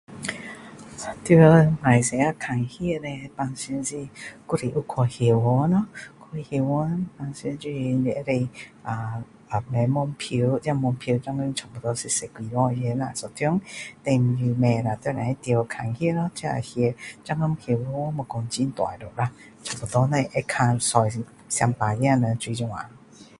在马来西亚看戏叻平常是还是有去戏院咯去戏院平常就是你可以啊买门票这门票现在差不多是十多块一张 then 你买了可以去看戏咯这戏现在戏院不是很大了啦差不多会看坐整百个人就是这样